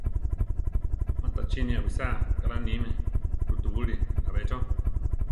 Matachíni awisáa kaʼlá níme rutubúli ‘a be cho.